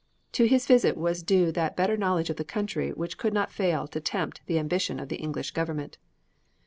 To his visit was due that better knowledge of the country which could not fail to tempt the ambition of the English Government.